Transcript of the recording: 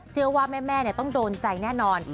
เชื่อว่าแม่ต้องโดนใจแน่นอน